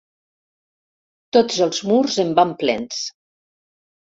Tots els murs en van plens.